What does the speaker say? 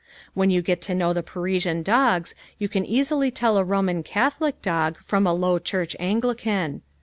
When you get to know the Parisian dogs, you can easily tell a Roman Catholic dog from a Low Church Anglican.